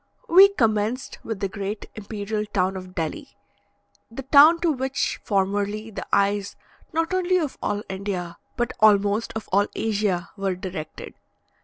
We commenced with the great imperial town of Delhi; the town to which formerly the eyes not only of all India, but almost of all Asia, were directed.